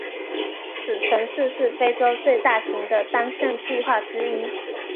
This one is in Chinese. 此城市是非洲最大型的单项计划之一。